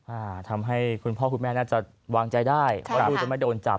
อ่าทำให้คุณพ่อคุณแม่น่าจะวางใจได้ว่าลูกจะไม่โดนจับ